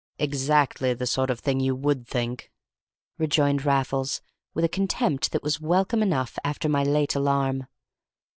"Exactly the sort of thing you would think," rejoined Raffles, with a contempt that was welcome enough after my late alarm.